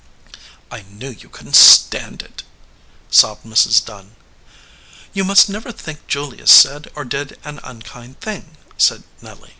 "I knew you couldn t stand it," sobbed Mrs. Dunn. "You must never think Julius said or did an unkind thing," said Nelly.